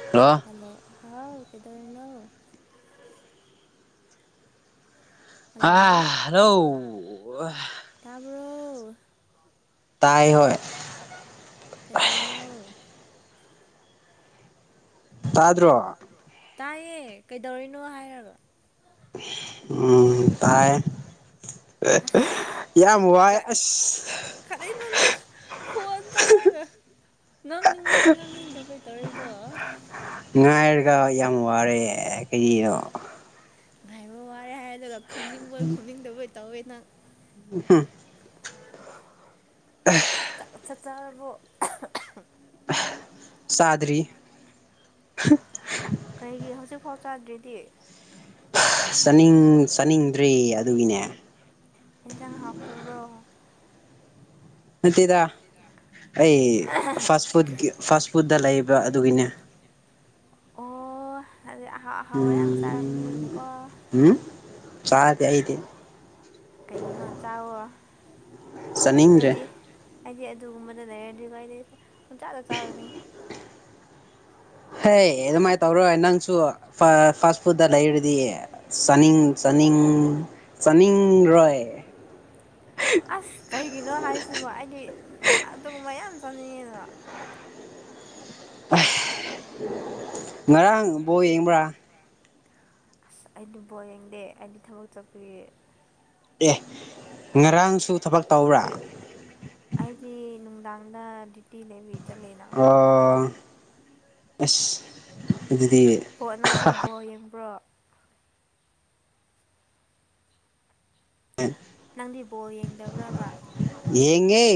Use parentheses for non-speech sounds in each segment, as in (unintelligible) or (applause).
ꯊ ꯍꯜꯂꯣ ꯍꯥꯎ ꯀꯗꯧꯅꯣ ꯑ ꯍꯜꯂꯣ ꯍꯂꯣ ꯇꯥꯕ꯭ꯔꯣ ꯇꯥꯏ ꯍ ꯀꯗꯅꯣ ꯇꯗ꯭ꯔꯣ ꯇꯥꯏꯌꯦ ꯀꯩꯗꯧꯔꯤꯅꯣ ꯍꯥꯏꯔꯕ ꯎꯝ ꯇꯥꯏ ꯑꯁ ꯌꯥꯝ ꯋꯥꯏ ꯑꯁ ꯀꯗꯅꯣꯅ ꯐꯟ ꯇꯔꯒ ꯉꯥꯡꯅꯤꯡꯕꯣꯏ ꯉꯥꯡꯅꯤꯡꯗꯕꯩ ꯇꯧꯔꯦꯗ ꯉꯥꯏꯔꯒ ꯌꯥꯝ ꯋꯥꯔꯦ ꯀꯩꯒꯤꯗꯣ ꯉꯥꯏꯍꯥꯏꯃ ꯋꯥꯔꯦ ꯍꯥꯏꯔꯗꯨꯒ ꯈꯨꯝꯅꯤꯡꯕꯣꯏ ꯈꯨꯝꯅꯤꯡꯗꯕꯣꯏ ꯇꯧꯋꯦ ꯅꯪ ꯍꯥ ꯎ ꯆꯠ ꯆꯔꯕꯣ ꯆꯗꯔꯤ ꯐꯣ ꯆꯥꯗ꯭꯭ꯔꯗꯤ ꯆꯅꯤꯡ ꯆꯥꯅꯤꯡꯗ꯭ꯔꯤ ꯑꯗꯨꯒꯤꯅꯦ ꯌꯦꯟꯁꯥꯡ ꯍꯥꯞꯄꯕ꯭ꯔꯣ ꯅꯠꯇꯦꯗ ꯑꯩ ꯐꯥꯁ ꯐꯨꯗꯀꯤ ꯐꯥꯁ ꯐꯨꯗꯠꯇ ꯂꯩꯕ ꯑꯗꯨꯒꯤꯅꯦ ꯑꯣ ꯑꯗꯨꯗꯤ ꯑꯍꯥꯎ ꯑꯍꯥꯎꯋꯥ ꯌꯥꯝ ꯎꯝ ꯆꯥꯔꯝꯅꯤꯅꯦꯀꯣ ꯎꯝ ꯆꯥꯗꯦ ꯑꯩꯗꯤ ꯀꯩꯅꯣ ꯆꯥꯎꯥꯛꯋ ꯆꯅꯤꯡꯤꯡꯔ ꯑꯩꯗꯤ ꯑꯗꯨꯒꯨꯝꯕꯗ ꯂꯩꯔꯗꯤ ꯑꯩꯗꯤ ꯑꯗꯨ ꯆꯥꯛꯂ ꯆꯥꯔꯅꯤ ꯍ ꯑꯗꯨꯃꯥꯏꯅ ꯇꯧꯔꯣꯏ ꯅꯪꯁꯨ ꯐꯥꯁ ꯐꯨꯗ ꯂꯩꯔꯗꯤ ꯆꯥꯅꯤꯡ ꯆꯅꯤꯡ ꯔꯣꯏ ꯑꯁ ꯀꯔꯤꯒꯤꯅꯣ ꯍꯥꯏꯔꯤꯁꯤꯕꯣ ꯑꯩꯗꯤ ꯑꯗꯨ ꯃ ꯌꯥꯝ ꯆꯥꯅꯤꯡꯉꯦꯗ ꯉꯔꯥꯡꯕꯣ ꯌꯦꯡꯕ꯭ꯔꯥ ꯑꯁ ꯑꯩꯗꯨ ꯕꯣꯔ ꯌꯦꯡꯗꯦ ꯑꯩꯗꯤ ꯊꯕꯛ ꯆꯠꯄꯒꯤ ꯑꯦ ꯉꯔꯥꯡꯁꯨ ꯊꯕꯛ ꯇꯧꯕ꯭ꯔꯥ ꯗꯪꯗꯥ ꯗꯤꯇꯤ ꯂꯦꯕꯤꯠ ꯑ (unintelligible) (inaudible) ꯑꯁ ꯑꯗꯨꯗꯤ ꯕꯣꯜ ꯅꯪꯗꯤ ꯕꯣꯜ ꯌꯦꯡꯕ꯭ꯔꯣ ꯅꯪꯗꯤ ꯕꯣꯜ ꯌꯦꯡꯗꯕ꯭ꯔꯕ ꯌꯦꯉ (inaudible)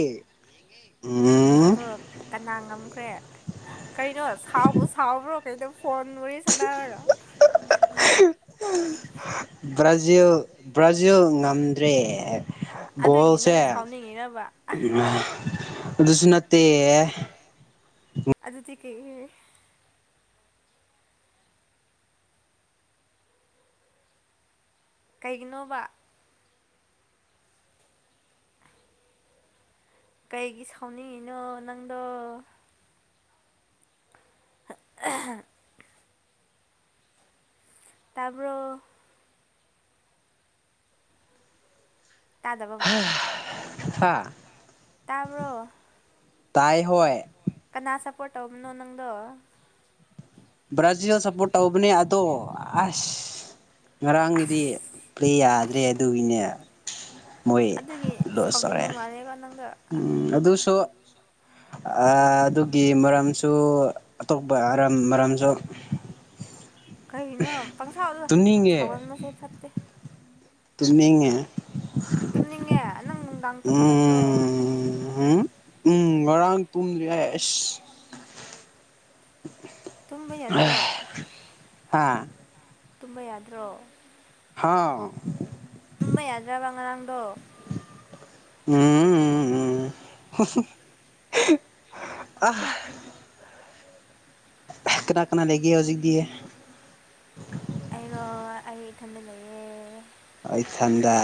ꯑꯗꯣ ꯀꯅꯥꯒꯝ ꯀ꯭ꯔꯦ ꯀꯩꯅꯣ ꯁꯥꯎꯕ ꯁꯥꯎꯕ꯭ꯔꯣ ꯀꯩꯗꯣ ꯐꯣꯟ ꯃꯔꯤ ꯆꯅ ꯕ꯭ꯔꯥꯖꯤꯜ ꯕ꯭ꯔꯥꯖꯤꯜ ꯉꯝꯗ꯭ꯔꯦ ꯑꯗꯨꯒꯤ ꯣꯁꯦ ꯅꯪ ꯁꯥꯎꯅꯤꯡꯉꯤꯔꯕ (unintelligible) (inaudible) ꯑꯗꯨꯁꯨ ꯅꯠꯇꯦ ꯑꯗꯨꯗꯤꯤ ꯀꯦ ꯀꯩꯒꯤꯅꯣꯕ ꯀꯥꯏꯒꯤ ꯁꯥꯎꯅꯤꯡꯅꯣ ꯅꯪꯗꯣ (unintelligible) (inaudible) ꯇꯥꯔꯕꯣ ꯇꯥꯗꯕ ꯃꯥꯂꯦ ꯍꯥ ꯇꯥꯏ ꯍꯣꯏ ꯄꯇꯣꯝ ꯅ ꯅꯪꯗ ꯕ꯭ꯔꯥꯖꯤꯜꯗ ꯁꯞꯄꯣꯔꯠ ꯇꯧꯕꯅꯦ ꯑꯗꯣ ꯑꯁ ꯉꯔꯥꯡꯒꯤꯗꯤ ꯑꯁ ꯄ꯭ꯂꯦ ꯌꯥꯗ꯭ꯔꯦ ꯑꯗꯨꯒꯤꯅꯦ ꯃꯣꯏ ꯑꯗꯨꯒꯤ ꯂꯣꯁ ꯇꯧꯔꯦ ꯁꯥꯎꯅꯤꯡꯕ ꯃꯥꯜꯂꯦꯕ ꯅꯪꯗ ꯑꯗꯨꯁꯨ ꯑꯗꯨꯒꯤ ꯃꯔꯝꯁꯨ ꯑꯇꯣꯞꯄ ꯃꯔꯝꯁꯨ (unintelligible) (inaudible) ꯀꯔꯤꯒꯤꯅꯣ ꯄꯪꯁꯥꯎꯗ ꯁꯥꯎꯒꯟꯕꯁꯦ ꯐꯠꯇꯦ ꯇꯃꯤꯦ (inaudible) ꯇꯨꯝꯅꯤꯡꯉꯦ ꯅꯪ ꯅꯨꯡꯗꯥꯡ ꯇꯝꯗꯕ꯭ꯔꯣ ꯎꯝ ꯉꯔꯥꯡ ꯇꯨꯝꯗ꯭ꯔꯤꯁ ꯇꯨꯝꯕ ꯌꯥꯗ꯭ꯔꯣ ꯍꯥ ꯇꯨꯝꯕ ꯌꯥꯗ꯭ꯔꯣ ꯍꯥꯥꯎ ꯇꯨꯝꯕ ꯌꯥꯗ꯭ꯔꯕ ꯉꯔꯥꯡꯗꯣ ꯎꯝ ꯎꯝ ꯎꯝ ꯑ (unintelligible) (inaudible) ꯀꯅꯥ ꯀꯅꯥ ꯂꯩꯒꯦ ꯍꯧꯖꯤꯛꯗꯤ ꯑꯩꯔꯣ ꯑꯩ ꯏꯊꯟꯗ ꯂꯩꯌꯦꯦ ꯑꯩ ꯊꯟꯗ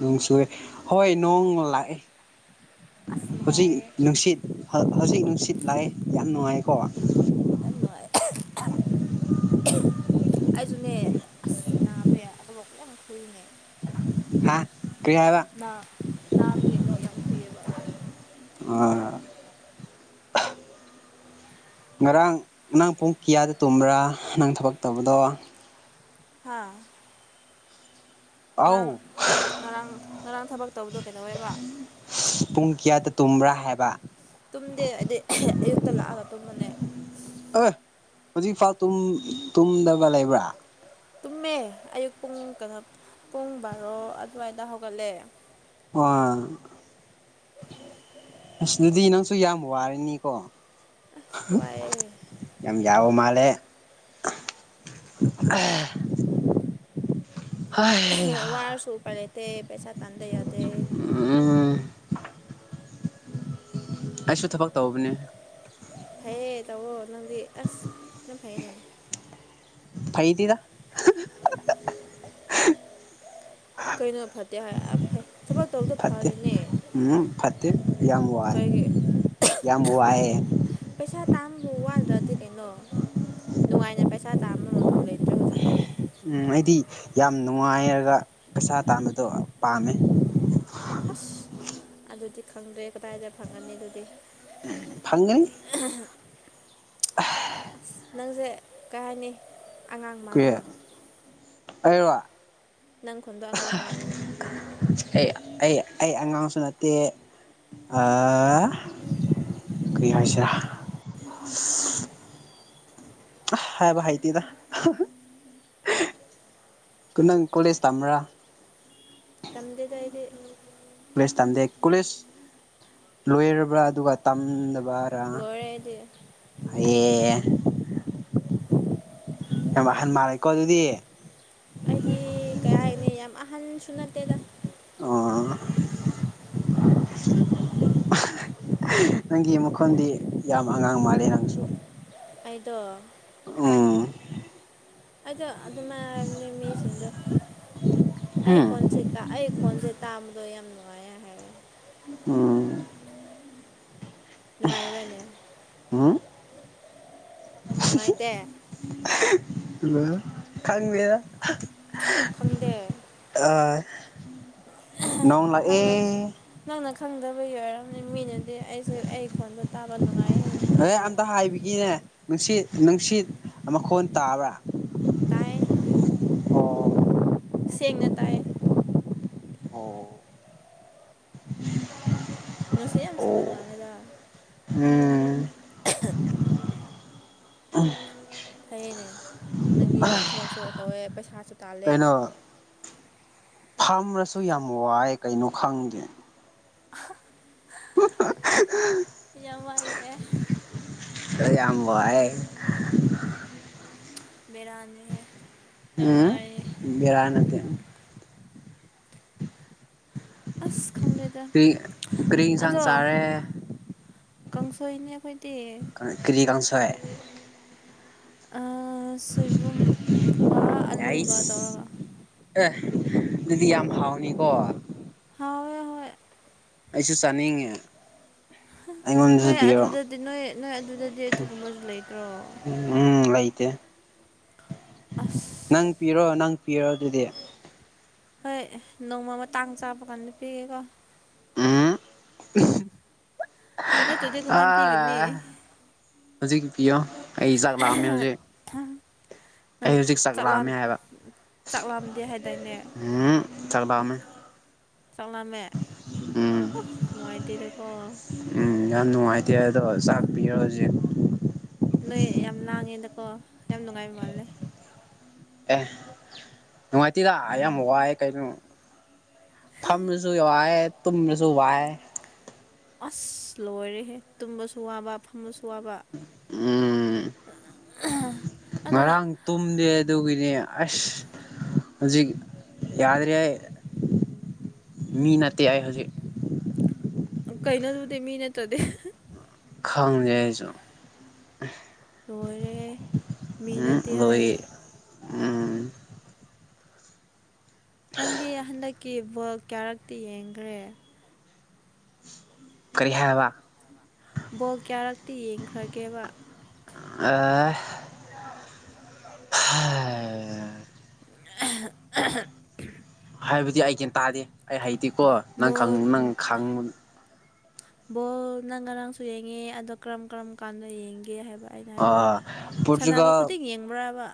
ꯅꯣꯡ ꯆꯨꯔꯦ ꯍꯣꯏ ꯅꯣꯡ ꯂꯥꯛꯑꯦ ꯑꯁ ꯍꯧꯖꯤꯛ ꯅꯨꯡꯉꯥꯏꯌꯦ ꯅꯨꯡꯁꯤꯠ ꯍꯧꯖꯤꯛ ꯅꯨꯡꯁꯤꯠ ꯂꯥꯛꯑꯦ ꯌꯥꯝ ꯅꯨꯡꯉꯥꯏꯀꯣ ꯌꯥꯝꯅꯨꯡꯉꯥꯏ (unintelligible) (inaudible) ꯑꯩꯁꯨꯅꯦ ꯑꯁ ꯅꯥꯕꯦ ꯑꯣ ꯀ ꯌꯥꯝ ꯐꯨꯏꯅꯦ ꯍꯥ ꯀꯔꯤ ꯍꯥꯏꯕ ꯅ ꯅ ꯂꯅꯣ ꯌꯥꯝ ꯀꯕꯔꯦ (unintelligible) ꯑ (unintelligible) (inaudible) ꯉꯔꯥꯡ ꯅꯪ ꯄꯨꯡ ꯀꯌꯥꯗ ꯇꯨꯝꯕ꯭ꯔꯥ ꯅꯪ ꯊꯕꯛ ꯇꯧꯕꯗꯣ ꯍꯥꯥ (inaudible) (unintelligible) ꯑꯧ ꯉꯔꯥꯡ ꯉꯔꯥꯡ ꯉꯔꯥꯡ ꯊꯕꯛ ꯇꯧꯕꯗꯣ ꯀꯩꯗꯧꯋꯦꯕ ꯇꯨꯝꯨꯕ꯭ꯔꯥ ꯍꯥꯢꯕ ꯇꯨꯝꯗꯦ ꯍꯥꯏꯗꯤ ꯑꯌꯨꯛꯇ ꯂꯥꯛꯑꯒ ꯇꯨꯝꯕꯅꯦ ꯍ ꯍꯧꯖꯤꯛ ꯐꯥꯎ ꯇꯨꯝꯗꯕ ꯂꯩꯕ꯭ꯔꯥ ꯇꯨꯝꯃꯦ ꯑꯌꯨꯛ ꯄꯨꯡ ꯀꯩꯅꯣ ꯄꯨꯡ ꯕꯥꯔꯣ ꯑꯗꯨꯋꯥꯏꯗ ꯍꯧꯒꯠꯂꯦ ꯑ ꯑꯁꯗꯨꯗꯤ ꯅꯪꯁꯨ ꯌꯥꯝ ꯋꯥꯔꯅꯤꯀꯣ ꯑꯁ ꯋꯥꯏꯑꯦ ꯌꯥꯝ ꯌꯥꯕ ꯃꯥꯔ ꯃ (unintelligible) ꯋꯥꯔꯁꯨ ꯎꯄꯥꯢ ꯂꯩꯇꯦ ꯄꯩꯁꯥ ꯇꯥꯟꯗꯦ ꯌꯥꯗꯦ ꯑ (unintelligible) ꯑꯩꯁꯨ ꯊꯕꯛ ꯇꯧꯕꯅꯦ ꯐꯩꯌꯦ ꯇꯧꯋꯣ ꯅꯪꯗꯤ ꯑꯁ ꯅꯪ ꯐꯩꯅꯦ ꯐꯩꯗꯦꯗ ꯀꯩꯅꯣ ꯐꯠꯇꯦ ꯍꯥꯏ ꯑ ꯐꯩ ꯊꯕꯛ ꯇꯧꯕꯗꯣ ꯐꯠꯇꯦ ꯐꯔꯤꯅꯦ ꯐꯠꯇꯦ ꯌꯥꯝ ꯋꯥꯏ ꯀꯩꯒꯤ ꯌꯥꯝ ꯋꯥꯏꯑꯦ ꯄꯩꯁꯥ ꯇꯟꯕ ꯑꯗꯨꯗꯤ ꯀꯩꯅꯣ ꯅꯨꯡꯉꯥꯏꯅ ꯄꯩꯁꯥ ꯇꯥꯝꯕ ꯃꯐꯝ ꯂꯩꯇ꯭ꯔꯦ ꯍꯧꯖꯤꯛꯇꯤ ꯑꯩꯗꯤ ꯌꯥꯝ ꯅꯨꯡꯉꯥꯏꯔꯒ ꯄꯩꯁꯥ ꯇꯥꯟꯕꯗꯣ ꯄꯥꯝꯃꯦ ꯑꯁ ꯑꯗꯨꯗꯤ ꯈꯪꯗ꯭ꯔꯦ ꯀꯗꯥꯏꯗ ꯐꯪꯉꯅꯤ ꯑꯗꯨꯗꯤ ꯐꯪꯅꯤ (inaudible) ꯑꯁ (unintelligible) ꯅꯪꯁꯦ ꯀꯩ ꯍꯥꯏꯅꯤ ꯑꯉꯥꯡ ꯃꯥꯜꯂꯤ ꯑꯩꯔ ꯋꯥ ꯅꯪ ꯈꯨꯗꯣ ꯑꯉꯥꯡ ꯃꯥꯜꯜꯂꯤꯅꯦ ꯑꯩ ꯑꯩ ꯑꯩ ꯑꯉꯥꯡꯁꯨ ꯅꯠꯇꯦ ꯀꯔꯤ ꯍꯥꯏꯁꯦ ꯍꯥꯏꯦꯕ ꯍꯥꯏꯇꯗ ꯀꯅꯥꯪ ꯀꯣꯂꯦꯖ ꯇ꯭ꯔ ꯇꯝꯗꯦꯗꯏꯗ ꯦ ꯀꯣꯂꯦꯖ ꯂꯣꯏꯔꯕ꯭ꯔꯥ ꯑꯗꯨꯒ ꯔꯥ ꯂꯣꯏꯔꯦ ꯑꯩꯗꯤ ꯑꯦ ꯌꯥꯝ ꯑꯍꯟ ꯃꯥꯜꯂꯦꯀꯣ ꯑꯗꯨꯗꯤ ꯑꯩꯗꯤ ꯀꯩ ꯍꯥꯏꯅꯤ ꯌꯥꯝ ꯑꯍꯟꯁꯨ ꯅꯠꯇꯦꯗ ꯑꯣ ꯅꯪꯒꯤ ꯃꯈꯣꯟꯗꯤ ꯌꯥꯝ ꯑꯉꯥꯡ ꯃꯥꯜꯂꯤꯦ ꯅꯪꯁꯨ ꯑꯩꯗꯣ ꯑ ꯑꯆꯥ ꯑꯗꯨꯃꯥꯏ ꯍꯥꯏꯕꯅꯤ ꯃꯤꯁꯤꯡꯗꯣ ꯑꯩ ꯍꯝ ꯐꯣꯟꯁꯦ ꯑꯩ ꯐꯣꯟꯁꯦ ꯇꯥꯕꯗ ꯣ ꯌꯥꯝ ꯃꯅꯨꯡꯉꯌꯥ ꯍꯥꯏ ꯎꯝ ꯅꯨꯡꯉꯥꯏꯕ꯭ꯔꯥꯅꯦ ꯅꯨꯡꯉꯥꯏꯇ ꯑ ꯈꯪꯒꯦꯔ ꯐꯝꯗꯦ ꯅꯣꯡ ꯂꯥꯛ ꯑꯦ ꯅꯪꯅ ꯅꯪꯅ ꯈꯪꯗꯕꯒꯤ ꯑꯣꯏꯔꯝꯅꯤ ꯃꯤꯅꯗꯤ ꯑꯩꯁꯨꯦ ꯑꯩ ꯈꯣꯟꯗ ꯇꯥꯕꯅꯨꯡ ꯑꯦ ꯑꯝꯇ ꯍꯥꯏꯕꯤꯒꯤꯅꯦ ꯅꯨꯡꯁꯤꯠ ꯅꯨꯡꯁꯤꯠ ꯃꯈꯣꯟ ꯇꯥꯕ꯭ꯔꯥ ꯇꯥꯏ ꯑꯣ ꯁꯦꯡꯅ ꯇꯥꯏ ꯑꯣ ꯅꯨꯡꯁꯤ ꯌꯥꯝ ꯑꯃꯁꯁꯤꯄ ꯃꯥꯅꯦꯦꯗ ꯎꯝ (inaudible) (unintelligible) ꯐꯩꯌꯦꯅꯦ ꯅꯪꯗꯤ ꯊꯕꯛꯁꯨ ꯇꯧꯋꯦ ꯄꯩꯁꯥꯁꯨ ꯇꯥꯜꯂꯦ ꯀꯩꯅꯣ ꯐꯝꯔꯁꯨ ꯌꯥꯝ ꯋꯥꯏ ꯀꯩꯅꯣ ꯈꯪꯗꯦ (unintelligible) ꯌꯥꯝ ꯋꯥꯥꯏꯑꯦ ꯂꯩ ꯌꯥꯝꯌꯥꯝꯕ ꯑꯩ ꯔꯅꯤ ꯎ ꯕꯔꯅꯠꯇ ꯑꯁ ꯈꯪꯗꯦꯗ ꯀꯔꯤꯁꯥꯡ ꯆꯔꯦ ꯀꯥꯡꯁꯣꯏꯅꯤ ꯑꯩꯣꯏ ꯀꯔꯤꯀꯪꯁꯥꯏ ꯑ ꯁꯣꯏꯕꯨꯝꯒ ꯑꯂꯨꯒ ꯑꯩꯁ ꯇꯧꯔꯒ ꯑꯦ ꯑꯗꯨꯗꯤ ꯌꯥꯝ ꯍꯥꯎꯅꯤꯀꯣ ꯍꯣꯏ ꯍꯍꯣꯏ ꯑꯩꯁꯨ ꯆꯥꯅꯤꯡꯉꯦ ꯅꯣꯏ ꯑꯩꯉꯣꯟꯗꯁꯨ ꯄꯤꯔꯣ ꯑꯗꯨꯗꯗꯤ ꯅꯣꯏ ꯅꯣꯏ ꯑꯗꯨꯗꯗꯤ ꯑꯗꯨꯒꯨꯝꯕꯁꯨ ꯂꯩꯇ꯭ꯔꯣ ꯎꯝ ꯑꯁ ꯅꯪ ꯄꯤꯔꯣ ꯅꯪ ꯄꯤꯔꯣ ꯑꯗꯨꯗꯤ ꯍꯣꯏ ꯅꯣꯡꯃꯃ ꯇꯥꯡ ꯆꯥꯕ ꯀꯥꯟꯗ ꯄꯤꯒꯦꯀꯣ ꯑ ꯅꯠꯇ꯭ꯔꯗꯤ ꯑ ꯀꯃꯥꯏꯅ ꯄꯤꯒꯅꯤ ꯍꯧꯖꯤꯛ ꯄꯤꯌꯣ ꯑꯩ ꯆꯥꯛ ꯂꯥꯛꯑꯝꯃꯦ ꯍꯧꯖꯤꯛ ꯑꯩ ꯅꯪ ꯍꯧꯖꯤꯛ ꯆꯥꯛꯂꯥꯛꯑꯝꯃꯦ ꯆꯥꯛꯂꯥꯝ ꯍꯥꯏꯕ ꯆꯥꯛꯂꯥꯝꯗꯦ ꯍꯥꯏꯗꯥꯏꯅꯦ ꯎꯝ ꯆꯥꯛꯂꯥꯛꯑꯝꯃꯦ ꯆꯠꯂꯝꯃꯦ ꯎꯝ ꯑꯣ ꯅꯨꯡꯉꯥꯏꯇꯦꯗꯀꯣ ꯎꯝ ꯌꯥꯝ ꯅꯨꯡꯉꯥꯏꯇꯦ ꯑꯗꯣ ꯆꯥꯛ ꯄꯤꯔꯣꯖꯤꯛ ꯅꯣꯏ ꯌꯥꯝ ꯂꯥꯡꯉꯦꯗꯀꯣ ꯌꯥꯝ ꯅꯨꯡꯉꯥꯏꯕ ꯃꯥꯜꯂꯦ ꯑꯦ ꯅꯨꯡꯉꯥꯏꯇꯔ ꯌꯥꯝ ꯋꯥꯏꯦ ꯀꯩꯅꯣ ꯐꯝꯃꯁꯨ ꯋꯥꯏꯦ ꯇꯨꯝꯃꯁꯨ ꯋꯥꯏ ꯑꯁ ꯂꯣꯏꯔꯦꯍꯦ ꯇꯨꯝꯕꯁꯨ ꯋꯥꯕ ꯐꯪꯕꯁꯨ ꯎꯝ ꯑꯗ ꯉꯔꯥꯡ ꯇꯨꯝꯗꯦ ꯑꯗꯨꯒꯤꯅꯦ ꯑꯁ ꯍꯧꯖꯤꯛ ꯌꯥꯗ꯭ꯔꯦ ꯃꯤ ꯅꯇꯦ ꯑꯩ ꯍꯧꯖꯤꯛ ꯀꯩꯅꯣ ꯇꯨꯗꯦ ꯃꯤ ꯅꯠꯇ꯭ꯔꯗꯦ ꯈꯪꯖꯩ ꯑꯩꯁꯨ ꯇꯣꯏꯔꯦ ꯎꯝ ꯃꯤꯅꯠꯇ ꯂꯣꯏ ꯎꯝ ꯅꯪꯗꯤ ꯍꯟꯗꯛꯀꯤ ꯕꯜ ꯀꯌꯥꯔꯛꯇꯤ ꯌꯦꯡꯈ꯭ꯔꯦ ꯀꯔꯤ ꯍꯥꯏꯕ ꯕꯣ ꯀꯌꯥꯔꯛꯇꯤ ꯌꯦꯡꯈ꯭ꯔꯒꯦꯕ ꯑ ꯑꯦ (unintelligible) ꯍꯥꯏꯕꯗꯤ ꯑꯩ ꯀ꯭ꯌꯥꯟ ꯇꯥꯗꯦ ꯑꯩ ꯍꯩꯇꯦꯀꯣ ꯅꯪ ꯕꯣꯜ ꯅꯪ ꯈꯪ ꯕꯣꯜ ꯅꯪ ꯉꯔꯥꯡꯁꯨ ꯌꯦꯡꯉꯦ ꯑꯗꯣ ꯀꯔꯝ ꯀꯔꯝ ꯀꯥꯟꯗ ꯌꯦꯡꯒꯦ ꯍꯥꯏꯕ ꯑꯩꯅ ꯍꯥꯏꯕꯗꯤ ꯑꯥ ꯁꯥꯟꯅꯕ ꯄꯣꯔꯇꯨꯒꯜ ꯈꯨꯗꯤꯡ ꯌꯦꯡꯕ꯭ꯔꯕ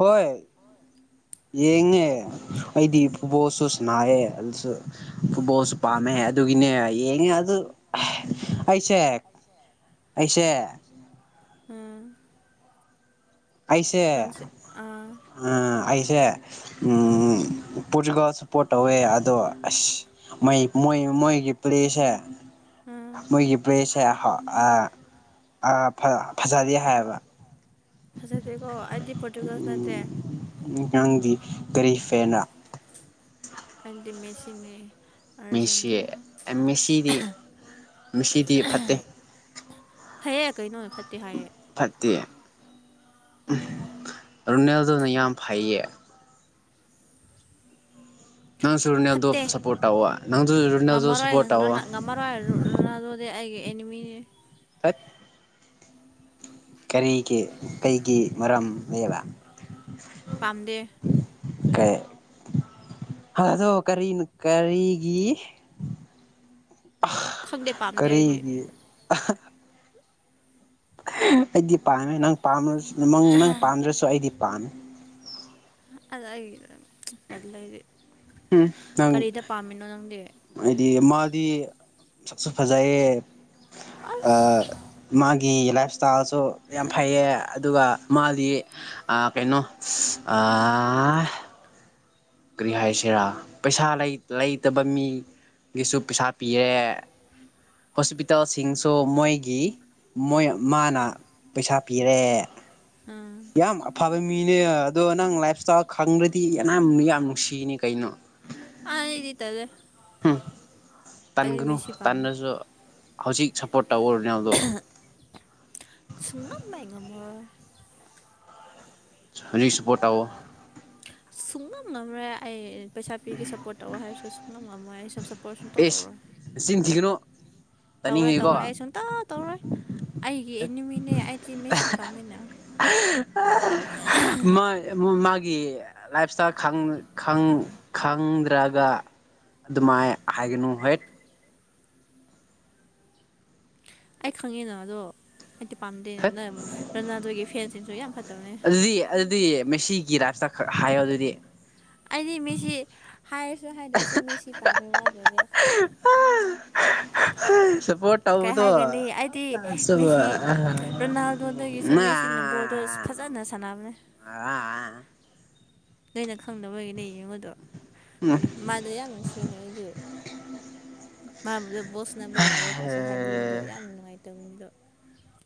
ꯍꯣꯏ ꯌꯦꯡꯉꯦ ꯑꯩꯗꯤ ꯐꯨꯕꯣꯁꯨ ꯁꯅꯥꯏꯑꯌꯦ ꯑꯗꯨꯁꯨ ꯐꯨꯕꯣꯁꯨ ꯄꯥ ꯆꯃꯦ ꯑꯗꯨꯒꯤꯅꯦ ꯌꯦꯡꯉꯦ ꯑꯗꯨ ꯑꯩꯁꯦ ꯑꯩꯁ ꯑꯝ ꯑꯩꯁꯦ ꯑꯥ ꯑꯩꯁꯦ ꯑꯥ ꯎ ꯄꯆꯨꯒꯁ ꯄꯣꯠ ꯇꯧꯋꯦ ꯑꯗꯣ ꯑꯁꯣꯏ ꯃꯣꯏꯒꯤ ꯄ꯭ꯂꯦꯁꯦ ꯑꯥ ꯃꯣꯏꯒꯤ ꯄ꯭ꯔꯦ ꯁꯦ ꯐꯖꯔꯤꯦ ꯍꯥꯏꯌꯦꯕ ꯐꯁꯦꯀꯣ ꯑꯗꯤ ꯑꯉꯥꯡꯗꯤ ꯀꯔꯤ ꯐꯦꯅ ꯑꯗꯤ ꯃꯦꯁꯤꯅꯤ ꯁꯤ ꯃꯤꯦꯁꯤꯗꯤ ꯃꯤꯦꯁꯤꯗꯤ ꯐꯠꯇꯦ ꯐꯩꯌꯦ ꯀꯩꯅꯣ ꯐꯦ ꯐꯠꯇꯦ ꯔꯨꯅꯦꯜꯗꯨꯅ ꯌꯥꯝ ꯐꯩꯌꯦ ꯅꯪꯁꯨ ꯔꯣꯅꯦꯜꯗꯣ ꯐꯠꯇꯦ ꯁꯞꯄꯣꯔꯠ ꯇꯧꯋ ꯅꯪꯁꯨ ꯔꯣꯅꯦꯜꯗꯣ ꯉꯝꯃꯔꯣꯏ ꯁꯞꯄꯣꯔꯠ ꯇꯧꯋ ꯉꯝꯃꯔꯣꯏ ꯑꯗꯨꯗꯤ ꯑꯩꯒꯤ ꯑꯦꯅꯤꯃꯤꯅꯤ ꯍꯠ ꯀꯔꯤꯒꯤ ꯀꯩꯒꯤ ꯃꯔꯝ ꯂꯩꯕ ꯄꯥꯝꯗꯦ ꯀ ꯑꯗꯣ ꯀꯔꯤꯅꯣ ꯀꯔꯤꯒꯤ (inaudible) ꯈꯪꯗꯦ ꯄꯥꯝꯗꯦ ꯑꯩꯗꯤ ꯀꯔꯤꯒꯤ ꯑꯩꯗꯤ ꯄꯥꯝꯃꯦ ꯅꯪꯝ ꯅꯪ ꯄꯥꯝꯗ꯭ꯔꯁꯨ ꯑꯩꯗꯤ ꯄꯥꯝꯃꯦ ꯑꯗꯨꯗ ꯄꯜꯗꯤ ꯎꯝ ꯅꯪ ꯍꯥꯏꯗꯤ ꯃꯥꯗꯤ ꯁꯁ ꯐꯖꯥꯏ ꯑꯁ ꯃ ꯒꯤ ꯂꯥꯏꯞꯁ꯭ꯇꯥꯏꯜꯁꯨ ꯌꯥꯝ ꯐꯩꯌꯦ ꯑꯗꯨꯒ ꯃꯥꯗꯤ ꯀꯩꯅꯣ ꯑ ꯀꯔꯤ ꯍꯥꯏꯁꯤꯔꯥ ꯄꯩꯁꯥ ꯂꯩꯇꯕ ꯃꯤ ꯒꯤꯁꯨ ꯄꯩꯁꯥ ꯄꯤꯔꯦ ꯍꯣꯁꯄꯤꯇꯥꯜꯁꯤꯡꯁꯨ ꯃꯣꯏꯒꯤ ꯃꯣꯏ ꯃꯥꯅ ꯄꯩꯁꯥ ꯄꯤꯔꯦ ꯑꯝ ꯌꯥꯝ ꯑꯐꯕ ꯃꯤꯅꯦ ꯑꯗꯣ ꯅꯪ ꯂꯥꯏꯐ ꯏꯁꯇꯥꯏꯜ ꯈꯪꯗ꯭ꯔꯗꯤ ꯑꯅ ꯌꯥꯝ ꯅꯨꯡꯁꯤꯅꯤ ꯀꯩꯅꯣ ꯑ ꯌꯦꯔꯤꯇꯥꯔꯦ ꯎ ꯇꯟꯒꯅꯨ ꯄꯥꯝꯃꯦ ꯇꯟꯗꯁꯨ ꯍꯧꯖꯤꯛ ꯆꯥꯄꯣꯔ ꯇꯧꯕꯧꯕꯣꯔ ꯌꯥꯗ ꯁꯨꯡꯉꯝ ꯍꯦꯛ ꯉꯝꯃꯔꯣꯏ ꯔꯔꯤꯁ ꯄꯇꯥꯥꯎ ꯁꯨꯡꯅꯝꯅ꯭ꯔꯦ ꯑꯩ ꯄꯩꯁꯥ ꯄꯤꯒꯦ ꯁꯞꯄꯣꯔꯠ ꯇꯧ ꯍꯥꯏꯔꯁꯨ ꯁꯨꯡ ꯉꯝ ꯉꯝꯃꯣꯏ ꯑꯩ ꯁꯝ ꯁꯞꯄꯣꯔꯠ ꯁꯨꯝ ꯏꯁ ꯇꯧꯗꯧꯔꯣꯏ ꯅꯆꯤꯟ ꯊꯤꯒꯅꯨ ꯇꯧꯔꯣꯏ ꯇꯥꯅꯤꯡꯗꯦꯀꯣ ꯇꯧꯔꯣꯏ ꯑꯩ ꯁꯨꯡꯇ ꯇꯧꯔꯣꯏ ꯑꯩ ꯌꯦ ꯏꯅꯤꯃꯤꯅꯦ ꯑꯩꯗꯤꯦ ꯃꯤꯁꯤ ꯄꯝꯃꯦꯟꯅ ꯑꯩꯒꯤ ꯂꯥꯏꯞ ꯏꯁꯇꯥꯏꯜ ꯈꯪꯗ꯭ꯔꯒ ꯑꯗꯨꯃꯥꯏ ꯍꯥꯏꯒꯅꯨ ꯍꯠ ꯑꯩ ꯈꯪꯉꯤꯅ ꯑꯗꯣ ꯑꯩꯗꯤꯤ ꯊꯠ ꯄꯥꯝꯗꯦꯅꯦꯕꯅ ꯔꯔꯅꯥꯗꯣꯒꯤ ꯐꯦꯟꯁꯤꯡꯁꯨ ꯌꯥꯝ ꯐꯠꯇꯕꯅꯦ ꯒꯤ ꯔꯥꯏꯞꯇ ꯍꯥꯏꯌꯣ ꯑꯗꯨꯗꯤ ꯑꯩꯗꯤ ꯃꯦꯁꯤ ꯍꯥꯏꯔꯁꯨ ꯍꯥꯏꯗ꯭ꯔꯁꯨ ꯃꯦꯁꯤ ꯇꯥꯃꯤ ꯋꯥ ꯂꯩꯔꯦ ꯍꯝ ꯀꯩ ꯍꯥꯏꯒꯅꯤ ꯑꯩꯗꯤ ꯑꯁꯨ ꯃꯦꯁꯤ ꯔꯣꯅꯥꯜꯗꯣꯗꯒꯤꯁꯨ ꯅꯥ ꯃꯦꯁꯤꯅ ꯕꯣꯜ ꯐꯖꯥꯅ ꯁꯥꯟꯅꯦ ꯑꯥ ꯅꯣꯏꯩꯅ ꯈꯪꯅꯕꯒꯤꯅꯦ ꯌꯦꯡꯉꯨꯗꯣ ꯎꯝ ꯃꯗꯩ ꯑꯁꯤꯦꯡꯅꯗꯤꯦ ꯃꯖ ꯕꯣꯁ ꯅꯅꯕ ꯌꯥꯔꯣꯏ ꯀꯥꯁꯨ ꯍꯥꯏꯕꯤꯕꯗꯣ ꯌꯥꯝ ꯅꯨꯡꯉꯥꯏꯇꯕꯅꯤꯗꯣ